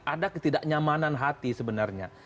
ada ketidaknyamanan hati sebenarnya